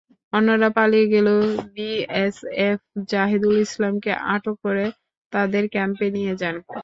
অন্যরা পালিয়ে এলেও বিএসএফ জাহিদুল ইসলামকে আটক করে তাঁদের ক্যাম্পে নিয়ে যান।